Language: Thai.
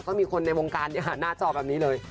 ก็มีคนในวงการหน้าจอแบบนี้เลย